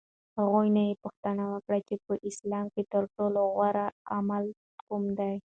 هغوی نه یې پوښتنه وکړه چې په اسلام کې ترټولو غوره عمل کوم دی؟